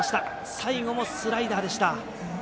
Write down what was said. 最後もスライダーでした。